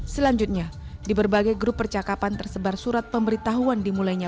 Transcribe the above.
selanjutnya di berbagai grup percakapan tersebar surat pemberitahuan dimulainya